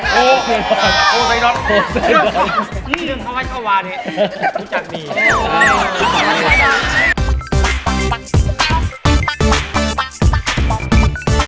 โปรดติดตามตอนต่อไป